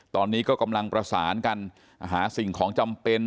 ตอนนี้ก็กำลังประสานกันหาสิ่งของจำเป็น